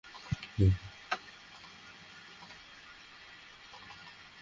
তিনি পটুয়াটোলা লেনে 'Kallol publishing house' খুলে বসেন।